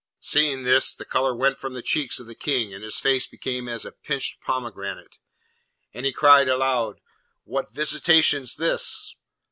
Seeing this, the colour went from the cheeks of the King and his face became as a pinched pomegranate, and he cried aloud, 'What visitation's this?